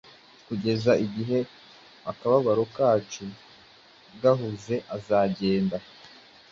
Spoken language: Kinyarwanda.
Kugeza igihe akababaro kacu gahunze azagenda